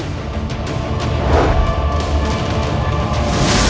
sekarang rasakan tenaga dalamku